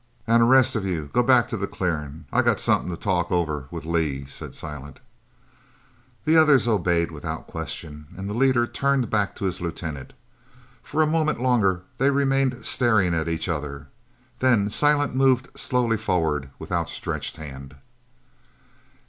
"An' the rest of you go back to the clearin'. I got somethin' to talk over with Lee," said Silent. The others obeyed without question, and the leader turned back to his lieutenant. For a moment longer they remained staring at each other. Then Silent moved slowly forward with outstretched hand.